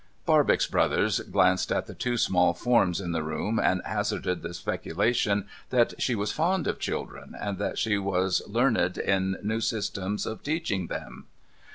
Barbox Brothers glanced at the two small forms in the room, and hazarded the speculation that she was fond of children, and that she was learned in new systems of teaching them